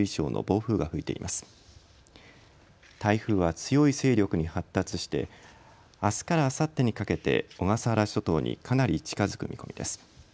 台風は強い勢力に発達してあすからあさってにかけて小笠原諸島にかなり近づく見込みです。